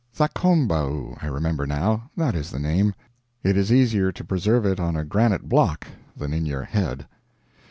Thakombau I remember, now; that is the name. It is easier to preserve it on a granite block than in your head.